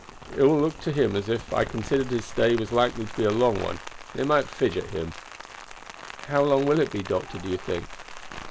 "It will look to him as if I considered his stay was likely to be a long one, and it might fidget him." "How long will it be, doctor, do you think?"